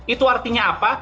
itu artinya apa